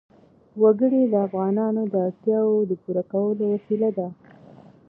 وګړي د افغانانو د اړتیاوو د پوره کولو وسیله ده.